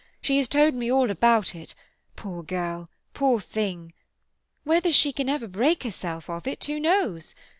She has told me all about it—poor girl, poor thing! Whether she can ever break herself of it, who knows?